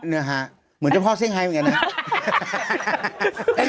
มาแต่งหน้าตั้งแต่๓โมงเถอะ